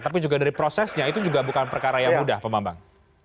tapi juga dari prosesnya itu juga bukan perkara yang mudah pak bambang